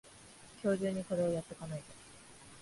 今日中にこれをやっとかないと